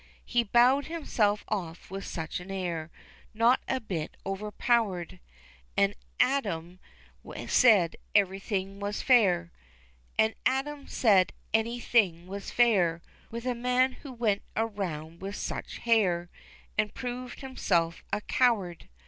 He bowed himself off with such an air, Not a bit overpowered, And Adam said anything was fair, With a man who went around with such hair, And proved himself a coward.